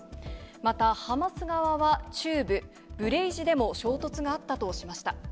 またハマス側は、中部ブレイジでも衝突があったとしました。